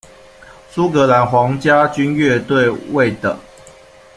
苏格兰皇家军乐团为的。